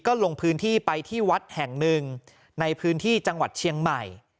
ก็ลงพื้นที่ไปที่วัดแห่งหนึ่งในพื้นที่จังหวัดเชียงใหม่